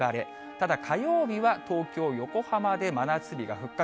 ただ火曜日は東京、横浜で真夏日が復活。